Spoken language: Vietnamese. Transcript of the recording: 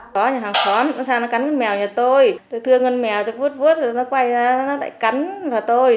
có nhà hàng xóm nó cắn con mèo nhà tôi tôi thương con mèo tôi vút vút rồi nó quay ra nó lại cắn vào tôi